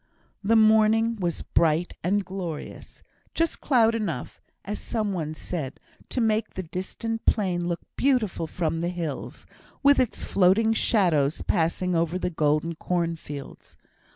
The morning was bright and glorious; just cloud enough, as some one said, to make the distant plain look beautiful from the hills, with its floating shadows passing over the golden corn fields.